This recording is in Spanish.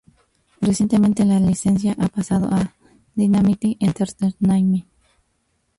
Recientemente, la licencia ha pasado a Dynamite Entertainment.